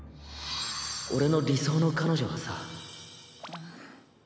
俺の理想の彼女はさんっ。